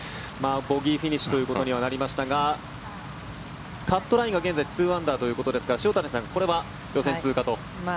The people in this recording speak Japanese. ボールフィニッシュということにはなりましたがカットラインが２アンダーということですから塩谷さん、これは予選通過と。